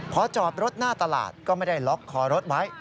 พอจอดรถหน้าตลาดก็ไม่ได้ล็อกคอรถไว้